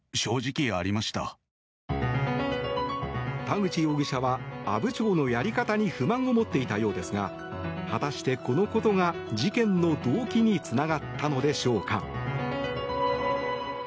田口容疑者は阿武町のやり方に不満を持っていたようですが果たしてこのことが事件の動機につながったのでしょうか。